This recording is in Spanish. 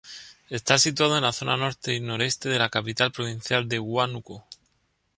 Está situado en la zona Norte y Nor-Este de la capital provincial de Huánuco.